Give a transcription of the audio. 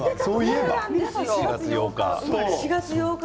４月８日。